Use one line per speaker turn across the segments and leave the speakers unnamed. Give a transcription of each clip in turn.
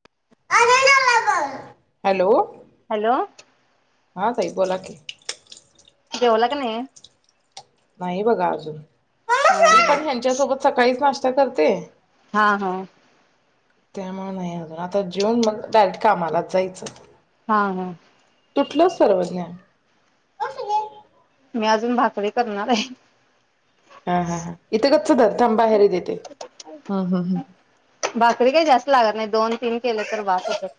[unintelligible]
Hello
हा ताई बोला की?
जेवला का नाही?
नाही बघा अजून
हा
मी पण ह्यांच्यासोबत सकाळीच नाशत.... ते करते....
हा हा
त्यामुळेग नाही अजून आता जेऊन मग डायरेक्ट कामाला जायचं...
हा हा
कसं [unintelligible]
मी अजून भाकरी करणारये
हा हा ह इथं गच्च धर थांब बाहेर देते हम् हम् ह्...
भाकरी काही लागत जास्त नाही दोन.. तीन केले तर बास होतात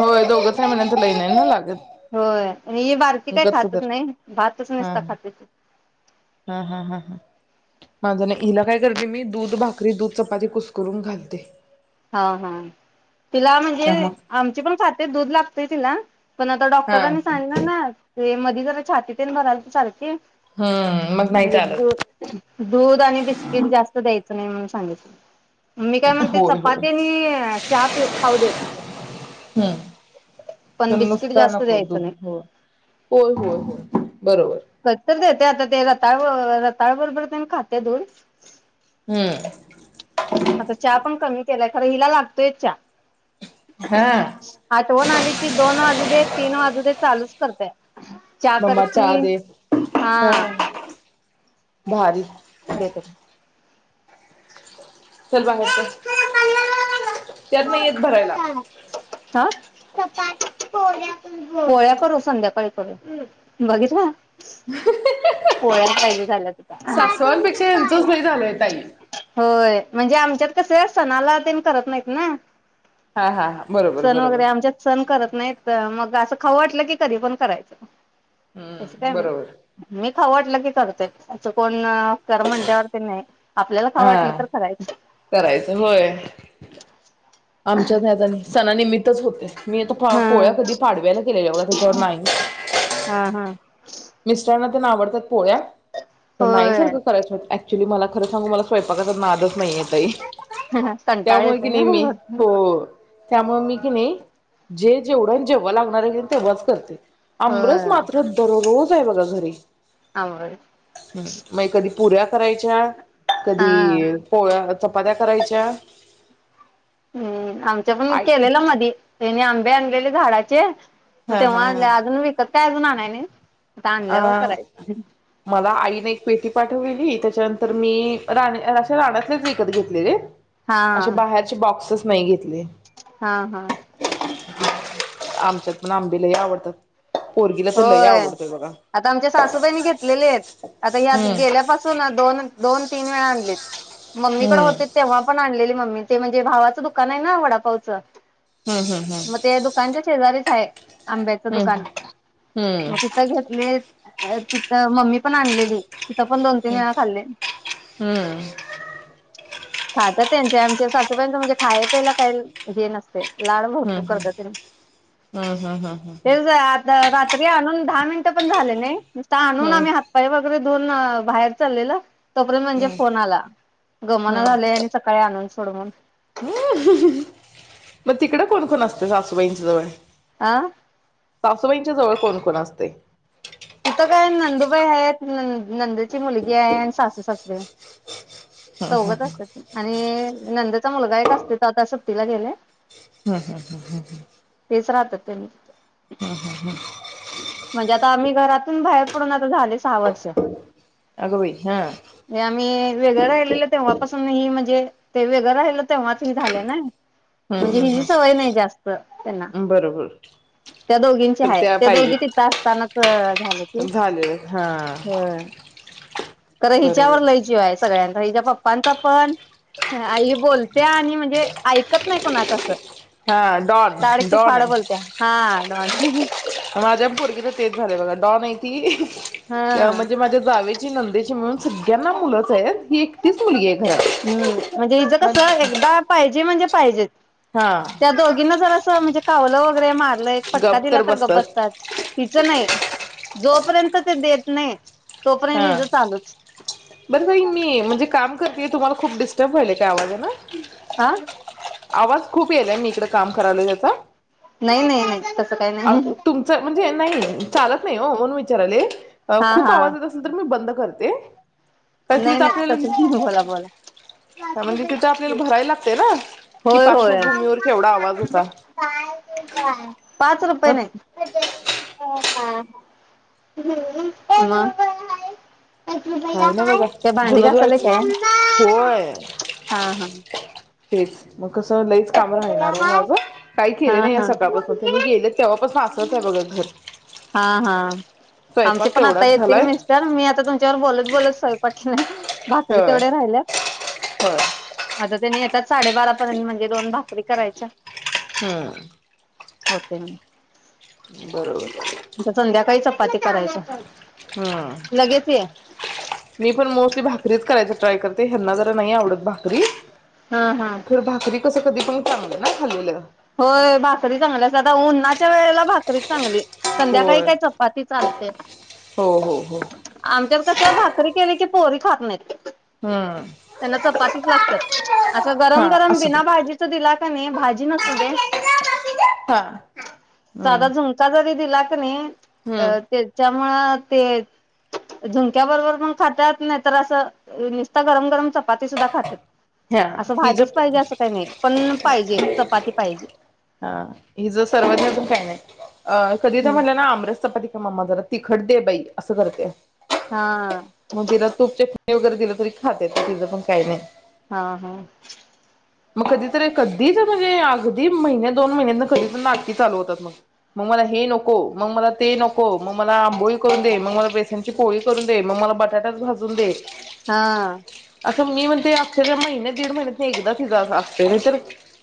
होय दोघंच हाय म्हणल्यावर लई नाही लाग
होय आणि ही बारकी काय खातच
धर
नाही भातच
हा
नुसता खाती....
हा हा ह ह माझं नाही हिला काय करते मी दूध भाकरी दूध चपाती कुसकरून घालते...
हा हा तिला
त्या
म्हणजे
मग
आमची पण खाते दूध लागतय तिला.... पण आता
हा
डॉक्टरांनी सांगलं ना.... ते मध्येी जरा छातीतेन भरालती सारखी...
हम्म मग नाही
म्हणजे दू
चालत
दूध आणि बिस्किट जास्त द्यायच.... नाही म्हणून सांगितल मी काय म्हणते
होय
चप...
होय
चपाती आणि चहा पि खाऊ देत
हम्म
पण बिस्किट
नुसता
जास्त
नको
द्यायच
दूध
नाही..
हो होय होय होय बरोबर
कधतरी देत ते आता ते रताळ रताळ बरोबर पन खातिय धून.............
हूं
आता चहा पण कमी.. केलाय खर हिला लागतोयच च्या
हा
आठवण आली की दोन वाजू दे तीन वाजू दे चालूच करतेय.... च्या कर
मम्मा चहा
की.....
दे
हा
भारीच
हे धर...
चल बाहेर चाल त्यात नाहीयत.....
हा पोळ्या करू संध्याकाळी करू बघितल पोळ्या पाहिजे झाल्यात...
सासवांपेक्षा यांचच लई झालय ताई...
होय म्हणजे आमच्यात कस सणाला तेन करत नाहीत ना...
हा हा हा बरोबर
सण
बरोबर
वगैरे आमच्यात सण करत नाहीत मग असं... खावं वाटलं की कधी पण करायचं... तसं
हम्म
काय नाही
बरोबर
मी खाऊ वाटलं की करतय असं कोणं सर म्हणल्यावरती नाही आपल्याला खाऊ वाटलं तर
हा
करायचं
करायचं होय आमच्यात सणा निमित्त च होते मी आता पा
हा
पोळ्या कधी पाडव्याला केलेल्या बघा त्याच्यावर नाही.
हा हा.
मिस्टरांना ते आवडतात पोळ्या नाही
होय
सारखं करायचं होत [unintelligible] ऍक्च्युली मला खरं सांगु मला स्वयंपाकाचा नादच नाही आहेत.
कंटाळ
त्यामुळे
येतोय
की
ना
नाही मी हो हो त्यामुळे मी की नाही जे जेवढं जेवण लागणार आहे तेव्हाच करते आमरस
होय
मात्र दररोज नई बघा घरी
आमरस
मग कधी पुऱ्या करायच्यात कधी पोळया चपात्या करायच्या
हूं आमच्या पण
आई
केलेलं मधी त्यानी आंबे आणलेले झाडांचे म
हा
तेव्हा
हा
आणल्या अजून विकत काय अजून आणय नाही आता
अ
आणल्यावर करायचं
मला आईने एक पेटी पाठवलेली त्याच्यानंतर मी राणी [unintelligible] कधी घेतलेले
हा
आशे बाहेरचे बॉक्सेस नाही घेत
हा हा
आमच्यात पण आंबे लाय आवडतात पोरगीला तर लय
होय
आवड
आता आमच्या सासूबाईनी घेतलेले आहेत आता यात
हम्म
गेल्यापासून दोन दोन तीन वेळ आणलेत मम्मीकडे
हम्म
होते तेव्हा पण आणलेली मम्मी ते म्हणजे भावाचं दुकान आहे ना वडापावचं
हम्म
मग ते दुकानच्या शेजारी हाय आंब्याचं
हम्म
दुकान
हम्म
म तिथ घेतले अ तिथं मम्मी पण आणलेली तिथं पण दोन तीन वेळा खाल्लयं.
हम्म
खात्यात त्यांचे आमच्या सासूबाईंचं म्हणजे खायाय पियायला काय हे नसतं. ते लाड
हम्म
भरपूर
हम्म
करत्यात तेनी
हम्म हम्म हम्म हम्म
तेच डाळभात तरी आणून दहा मिन पण झाले नाही नुसता आणून
हम्म
आम्ही हातपाय वगैरे धुऊन बाहेर चाललेलो. तोपर्यंत म्हणजे
हम्म
फोन आला गमना झालयं आणि सकाळी आणून सो सोडवून
[unintelligible] मग तिकडं कोणकोण असतं सासूबाईंच्या जवळ?
आह
सासूबाईंच्या जवळ कोण कोण असतंय?
होय हायत नणंद नंद ची मुलगी हाय आणि सास सासरे द्या. चौघचं असत्यात की आणि नंदचा मुलगा एक असतोय तो आता सुट्टीला गेलाय
हां हां हां हां हां.
तेच राहतात त्यांनी तिथं
हां हां हां.
म्हणजे आता आम्ही घरातून बाहेर पडून आता झाले सहा वर्ष.
अगं बाई हा
हे आम्ही वेगळं राही ठरवलेलं तेंव्हापासून नाहीये म्हणजे ते वेगळं राहिलेलो तेंव्हाच हे झालयं ना. म्हणजे
हम्म
हिजी सवय नाही जास्त त्यांना
हम्म बरोबर तर
त्या दोघींची हाय. त्या दोघी तिथ असतानाच झालं ते
झाले हा
होय खरं
बरोबर
हिच्यावर लय जीव हाय सगळ्यांचा हिच्या पप्पा पप्पांचा पण आई बोल त्या आणि म्हणजे ऐकत नाहीत. पुन्हा तसं
हां डॉन डॉनय.
हा डॉन हां हां
माझ्या पोरगीच तेच झालंय बघा डॉन हाय ती [inaudible]
हा
म्हणजे माझ्या जावेची नंदेची मिळून सगळ्यांना मुलंच आहेत ही एकटच मुलगी आहे
हम्म
घरात
म्हणजे हिचं
म
कसं एकदा म्हणजे पाहिजे त्या दोघींना जरा स म्हणजे कावलं वगैरे मार तिला एक फटका दिला तर गप बसतात हीच नाही जोपर्यंत ते देत नाही तोपर्यंत
हा.
इज चालूच
बरं बाई मी म्हणजे काम करते तुमला खुप डिटर्ब व्हायल का आवाजान?
[unintelligible] आ
आवाज खूप यायला मी इकडे काम करायलो याचा
नाही नाही नाही [unintelligible]
अ तुमचं म्हणजे नाही चालत नाही हो म्हणून विचाराले
हा
खूप
हा
आवाज येत असेल तर मी बंद करते कारण की
नाही
तिथं
नाही
आपल्याला
तस बोला बोला
म्हणजे तिथं आपल्याला भरायला लागतय ना. कि
होय होय
पार्श्वभूमीवर केवढा आवाज होता
पाच रुपये
मग
नाही [unintelligible] हा [unintelligible] मग पाच रुपये द्या
हे बघा धून धुयायच होय..
हा हा
तेच मग कसं लईच काम राहणार ओ माझ काही
हा
केले नाही
हा
सकाळपासून तेनी गेले तेव्हापासून असच आहे बघ घर
हा हा आमचे
स्वयंपाक
पण आता
तेवढाच
येतील
झालाय
मिस्टर मी आता तुमच्यावर बोलत बोलत स [inaudible] भाकरी
होय
तेवढ्या राहिल्यात
होय
आता त्यानी य येतात साडेबारापर्यंत म्हणजे दोन भाकरी करायच्या
[inaudible] हम्म
होते ना
बरोबर [inaudible]
आ संध्याकाळी चपाती करायच
हम्म मी पण मोस्टली भाकरीच करायच ट्राय करते ह्यांना जरा जास्त नाही आवडत भाकरी
हा हा
खर भाकरी कस कधी? पण चांगल नाय खालेलं
होय. भाकरी चांगली आता उन्हानाच्या वेळेला भाकरीच चांगली संध्याकाळी
होय
काय चपाती चालते
हो हो हो
आमच्यात कस भाक भाकरी केले की पोरी खात नाहीत
हम्म
त्यांना चपातीच लागतात आता गरम
हा
गरम
असू दे
बिना भाजीच दिल कनीभाजी
हा
[unintelligible] साधा
हम्म
झुणका जरी दिला [unintelligible] अ
हम्म
त्याच्या त्यामुळं ते झुणक्या बरोबर पण खातात नाही तर असं नुसता गरम गरम चपाती सुद्धा खातात
हा
असं
हिज
भाजीच पाहिजे असं काही नाही पण पाहिजे चपाती पाहिजे
हा हिज सर्वज्ञ अजून काय नाही अ सगळी जण तर
हम्म
म्हणले ना आमरस चपाती मम्मा जरा तिखट दे बाई असं करते
हा
[inaudible] मग तिला तूप [unintelligible] दिलं तरी खातेे तिचं पण काही नाही
हा हा
मग कधीतरी कधीच म्हणजे अगदी महिन्या दोन महिन्या कधीतर नाटकी चालू होतात मग मला हे नको मग मला ते नको मला आंबोळी करून दे मग मला बेसनची पोळी करून दे मग मला बटाटाच भाजून दे
हां
असं मी म्हणते महिने दीड महिन्यात एकदा तिज अस असतय नाही तर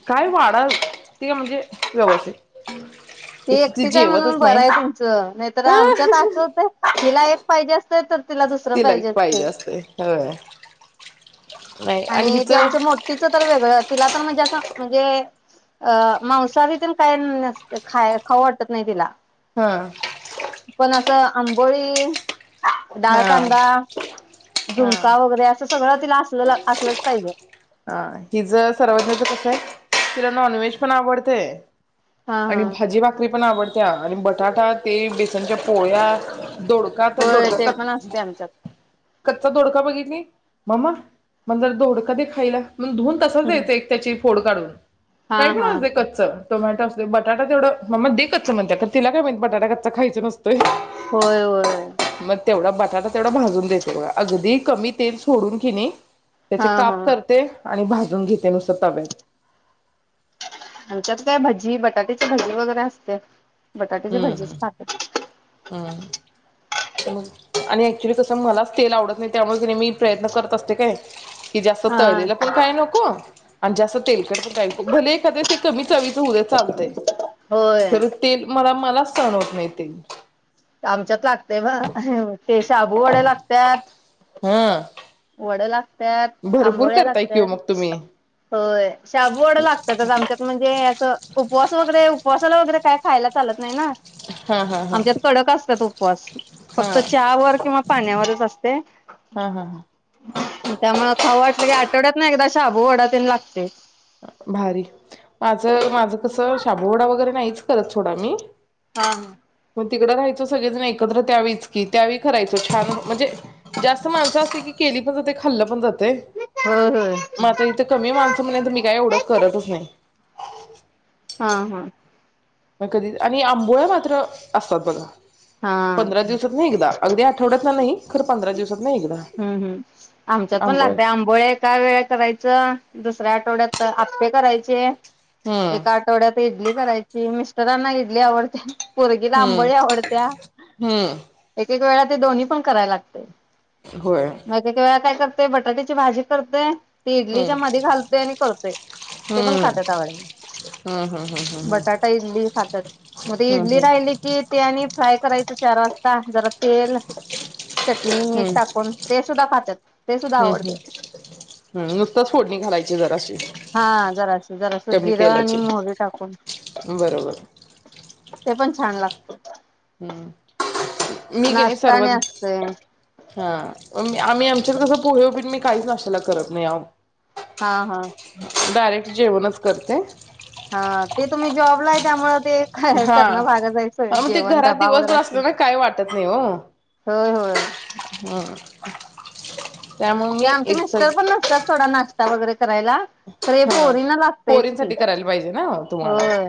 काय वाढा ते म्हणजे व्यवस्थित
ती
एक तर
एकटीच आहे म्हणून
जेवतच
बरं
नाही.
आहे तुमचं नाहीतर आमच्यात असं होत हिला एक पाहिजे असत तर
तिला एक पाहिजे असतय एक तर बरं [inaudible]
आणि ते आमच्या मोठीचं तर वेगळंच तिला तर म्हणजे असं म्हणजे अ मांसाहारी तेन काय न खाय खाऊ वाटत नाही तिला
हा [inaudible]
पण असं आंबोळी
हा
डाळकांदा
हा
झुणका वगैरे असं सगळं तिला अस
हा हीच सर्वज्ञाचं कस आहे तिला नॉनव्हेज पण आवडतय
हा हा
आणि भाजी भाकरी पण आवडते त्या आणि बटाटा ते बेसनच्या पोळ्या दोडका का
होय ते
दोडका क
पण असते आमच्यात.
कच्चा दोडका बघितली ममा माझा दोडका दे खाईला मग धुऊन तसच एक त्याची फोड काढून
हा
काय पण
हा
असू दे कच्च टोमॅटा असते बटाटा तेवढं ममा देे कच्च म्हणते तर तिला काय माहिती बटाटा कच्चा खायचं नसंत
होय होय
मग तेवढा बटाटा तेवढा भाजून देते बघा. अगदी कमी तेल सोडून कणी त्याचे
हा
काप
हा.
करते आणि भाजून घेते नुसत तव्यात.
आमच्यात काय भजी, बटाट्याचे भजी वगैरे असत्यात. बटाट्याचे
हम्म
भजीच खातात.
हम्म. मग आणि ऍक्च्युली तसं मलाच तेल आवडत नाही. त्यामुळे त मी प्रयत्न करत असते काय जास्त
हा.
तळलेल पण काही नको आणि जास्त तेलकट बी काय खूप भले एखाद्या वेळेस ते कमी चवीच होदे चालतय
होय
हो मलाच सहन होत नाही ते.
आमच्यात लागते बा ते शाबू वडे लागत्यात
हा
पडल हा त्यात
भरपूर
आंबोळ्या
करताय कि ओ
लागत्यात.
मग तुम्ही.
होय शाबूवडे लागत्यातच आमच्यात म्हणजे अस उपवास वगैरे उपवासाला वगैरे काय खायला चालत नाही ना.
हा हा हा
त्यात उपवास
हा
फक्त चहा वर किंवा पाण्यावरच असते
हा हा हा.
त्यामुळे खाऊ वाटलं की आ आठवड्यातनं एकदा शाबू वडा तरी लागतय
भारी माझं माझं कसं शाबूवडा वगैरे नाहीच करत सोडा मी
हा हा
तिकडं राहायचो सगळेजण एकत्र त्यावेळीच की त त्यावेळी करायचो छान म्हणजे जास्त माणसं असले की केली पण जाते खाल्लं पण जातं ते
होय होय
मग आता इथ कमी माणस म्हणल्यानंतर मी एवढ करतच नाही.
हा हा
म कधी आणि आंबोळ्या मात्र असतात बघा
हा
पंधरा दिवसात न एकदा अगदी आठवड्यात न नई खरं पंधरा दिवस
हम्म हम्म आमच्यात पण लागतय आंबोळ्या एका वेळ करायचं ह्या आठवड्यात आप्पे करायचे.
हम्म
एका आठवड्यात इडली करायची मिस तरांना इडली आवडते पोरगीला आंबोळी
हम्म
आवडत्या
हम्म
एक एक वेळा दोन्ही पण कराय लागतय.
होय
म एक एक वेळा काय करते. ते बटाट्याची भाजी करतोय. ते इडलीच्या
हम्म
मध्ये घालतोय आणि करतोय ते पण खातात.
हम्म
आवडीने
हम्म हम्म हम्म हम्म
बटाटा इडली खातात. मग ते
हम्म
इडली राहिली की ते आणि फ्राय करायचं चार वाजता. जरा तेल चटणी
हम्म
मीट टाक.
हम्म
पण ते सुद्धा खात्यात ते सुद्धा आवडतय.
हम्म हम्म नुसताच फोडणी घालायची जराशी
हा जरास जरास
कमी
जिरं आणि
तेलाची
मोहरी टाकून
बरोबर
ते पण छान लागत.
हम्म मी का नाही
नाश्ताने असतय
सर्वज्ञा हा आम्ही आमच्यात कस पोहे, उपीट मी काहीच नाश्त्याला करत नाही आओ
हा हा
डायरेक्ट जेवणच करते.
हा ते तुम्ही जॉबला आहे त्यामुळ
हा आओ ते घरात
डबा वगैरे
दिवसभर
असतील
असलं ना काही वाटत नाही ओ [inaudible]
होय होय ते आमचे मिस्टर पण नसतात सोडा नाश् चहा वगैरे करायला पण खरं हे
हा
पोरींना लागतयच की
पोरींसाठी करायला पाहिजे ना तुम्हाला
होय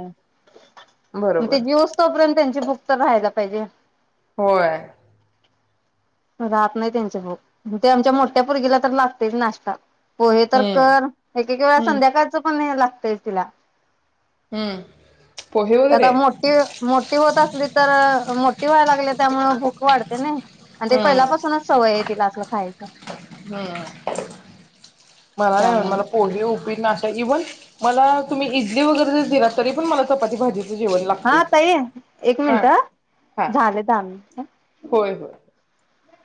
ते
बरोबर
जेवू स्तोपर्यंत तिची भुक तर राहायला पाहिजे.
होय
राहत नाही त्यांचे भाऊ ते आमच्या मोठ्या पोरगीला तर लागतयच नाश्ता पोहे तर
हम्म
कर एक एक वेळा
हम्म
संध्याकाळचं पण याला तेच तीला
हम्म पोहे
ती आता
वगैरे
मोठी मोठी होत असली तर मो मोठी व्हायला लागलिया त्यामुळे भूक वाढतिया न्हव. आणि ते
हम्म
पहिल्यापासूनच सवय आहे तिला असलं खायच.
हम् मला नाही
त्यामुळे
मला पोहे, उपीट नाशा इव्हन मला तुम्ही इजली वगैरे ज दिला तरी पण मला चपाती भाजी
हा ताई एक मिनट
हा
झाले दहा मिनिट
[inaudible]